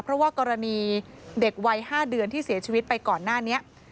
เพราะว่ากรณีเด็กวัย๕เดือนที่เสียชีวิตไปก่อนหน้านี้